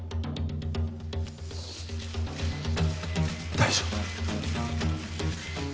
大丈夫。